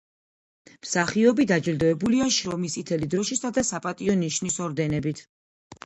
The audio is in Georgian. მსახიობი დაჯილდოებულია შრომის წითელი დროშისა და „საპატიო ნიშნის“ ორდენებით.